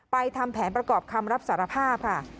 ทำแผนประกอบคำรับสารภาพค่ะ